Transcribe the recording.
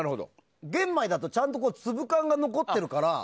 玄米だとちゃんと粒感が残っているから。